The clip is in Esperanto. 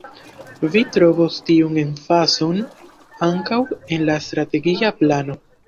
Vi trovos tiun emfazon ankaŭ en la strategia plano.